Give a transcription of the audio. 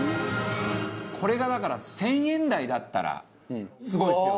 これがだから１０００円台だったらすごいですよね。